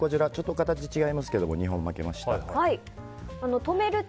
形違いますが、２本巻けました。